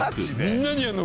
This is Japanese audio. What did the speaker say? みんなにやるの？